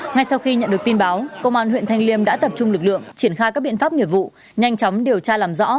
ngay sau khi nhận được tin báo công an huyện thanh liêm đã tập trung lực lượng triển khai các biện pháp nghiệp vụ nhanh chóng điều tra làm rõ